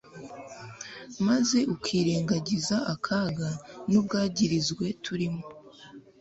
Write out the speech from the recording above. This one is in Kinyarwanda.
maze ukirengagiza akaga n'ubwagirizwe turimo